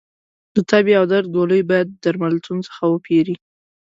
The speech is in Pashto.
د تبې او درد ګولۍ باید درملتون څخه وپېری